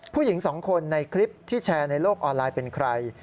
ผู้หญิงสองคนในคลิปที่แชร์ในโลกออนไลน์เป็นใคร